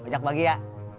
jak bagi ya